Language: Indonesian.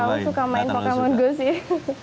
nggak terlalu suka main pokemon go sih